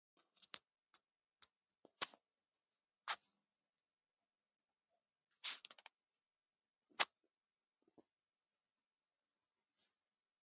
Furthermore, I have a deep appreciation for nature and the outdoors.